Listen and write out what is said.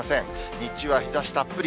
日中は日ざしたっぷり。